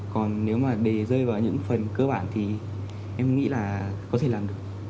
còn nếu mà đề rơi vào những phần cơ bản thì em nghĩ là có thể làm được